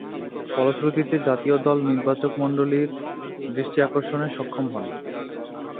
ফলশ্রুতিতে, জাতীয় দল নির্বাচকমণ্ডলীর দৃষ্টি আকর্ষণে সক্ষম হন।